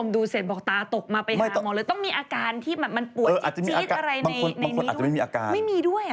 เดี๋ยวคุณผู้ชมดูเสร็จบอกตาตกมาไปหาหมอเลยต้องมีอาการที่มันปวดจี๊ดอะไรในนี้ด้วย